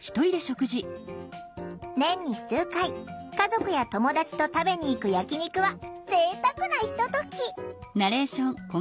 年に数回家族や友達と食べに行く焼き肉はぜいたくなひととき。